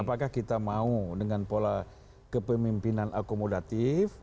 apakah kita mau dengan pola kepemimpinan akomodatif